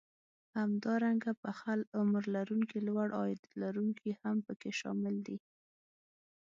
همدارنګه پخه عمر لرونکي لوړ عاید لرونکي هم پکې شامل دي